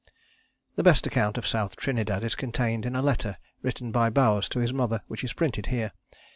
The best account of South Trinidad is contained in a letter written by Bowers to his mother, which is printed here.